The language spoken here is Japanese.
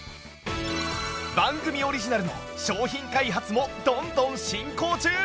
番組オリジナルの商品開発もどんどん進行中！